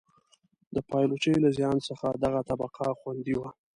د پایلوچۍ له زیان څخه دغه طبقه خوندي وه.